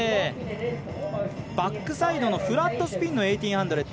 バックサイドのフラットスピンの１８００。